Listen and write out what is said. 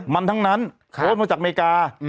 มันทั้งนั้นโพสต์มาจากอเมริกา